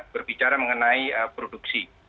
berbicara mengenai produksi